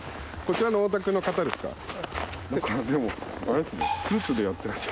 こちらのお宅の方ですか？